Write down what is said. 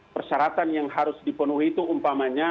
persyaratan yang harus dipenuhi itu umpamanya